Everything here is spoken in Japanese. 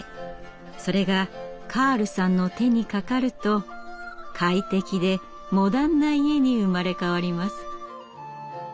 それがカールさんの手にかかると快適でモダンな家に生まれ変わります。